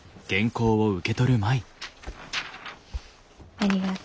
ありがと。